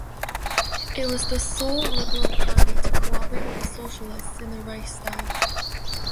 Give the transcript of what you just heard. It was the sole liberal party to cooperate with the Socialists in the Reichstag.